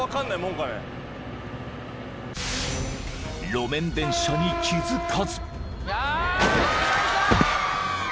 ［路面電車に気付かず］